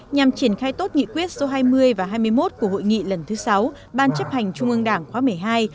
nhằm triển khai tốt nghị quyết số hai mươi và hai mươi một của hội nghị lần thứ sáu ban chấp hành trung ương đảng khóa một mươi hai